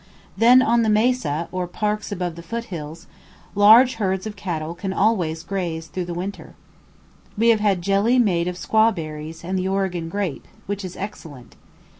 Then on the "Mesa" or parks above the foot hills, large herds of cattle can always graze through the winter. We have had jelly made of squawberries and the Oregon grape, which is excellent.